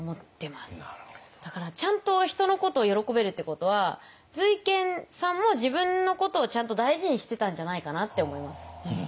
だからちゃんと人のことを喜べるってことは瑞賢さんも自分のことをちゃんと大事にしてたんじゃないかなって思います。